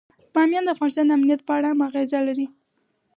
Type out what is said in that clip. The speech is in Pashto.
بامیان د افغانستان د امنیت په اړه هم اغېز لري.